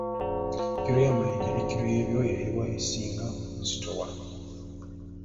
Kkiro y’amayinja ne kkiro y’ebyoya eri wa esinga obuzito?